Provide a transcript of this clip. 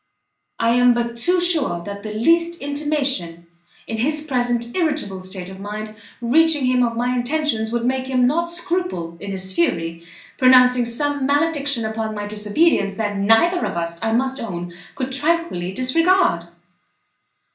"I am but too sure, that the least intimation, in his present irritable state of mind, reaching him of my intentions, would make him not scruple, in his fury, pronouncing some malediction upon my disobedience that neither of us, I must own, could tranquilly disregard."